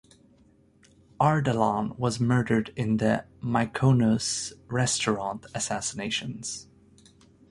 Ardalan was murdered in the Mykonos restaurant assassinations.